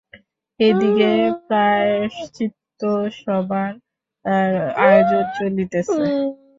এ দিকে প্রায়শ্চিত্তসভার আয়োজন চলিতেছে।